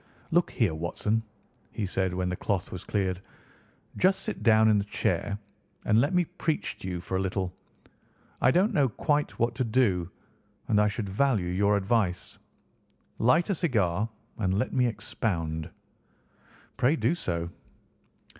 "Look here, Watson," he said when the cloth was cleared "just sit down in this chair and let me preach to you for a little. I don't know quite what to do, and I should value your advice. Light a cigar and let me expound." "Pray do so."